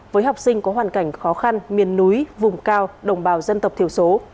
với học sinh có hoàn cảnh khó khăn miền núi vùng cao đồng bào dân tộc thiểu số